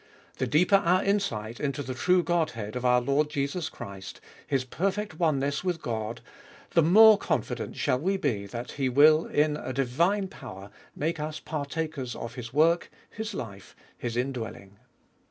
The deeper our insight into the true Godhead of our Lord Jesus Christ, His perfect oneness with God, the more confident shall we be that He will, in a divine power, make us partakers of His work, His life, His indwelling.